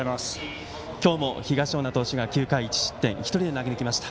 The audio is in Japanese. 今日も東恩納投手が９回１失点１人で投げきりました。